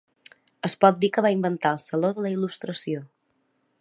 Es pot dir que va inventar el saló de la Il·lustració.